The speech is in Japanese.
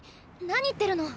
何言ってるの。